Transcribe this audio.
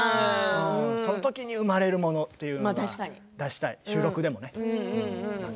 そのときに生まれるものを出したい、収録でもね。